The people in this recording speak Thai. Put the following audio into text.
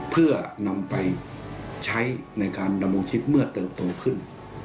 เพื่อนำไปใช้ในการดำรงชีวิตเมื่อเติบโตขึ้น